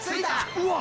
うわっ！